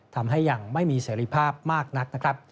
ทำให้ยังไม่มีเสรีภาพมากนักนะครับ